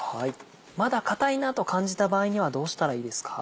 まだ硬いなと感じた場合にはどうしたらいいですか？